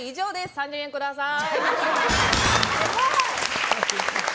３０００円ください！